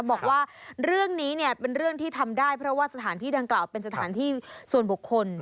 บอกว่าเรื่องนี้เนี่ยเป็นเรื่องที่ทำได้เพราะว่าสถานที่ดังกล่าวเป็นสถานที่ส่วนบุคคล